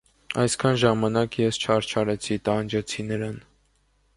- Այսքան ժամանակ ես չարչարեցի, տանջեցի նրան…